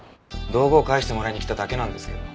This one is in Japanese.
道具を返してもらいに来ただけなんですけど。